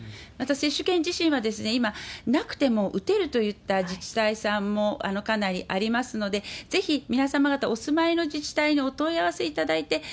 また、接種券自身は今、なくても打てるといった自治体さんもかなりありますので、ぜひ皆様方お住まいの自治体にお問い合わせいただいて、